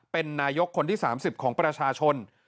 เป็นนายกคนที่๓๐ของประชาชน